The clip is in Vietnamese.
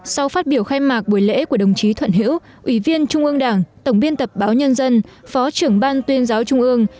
sau phát biểu khai mạc buổi lễ của đồng chí thuận hiễu ủy viên trung ương đảng tổng biên tập báo nhân dân phó trưởng ban tuyên giáo trung ương